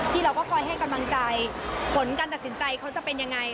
เราก็คอยให้กำลังใจผลการตัดสินใจเขาจะเป็นยังไง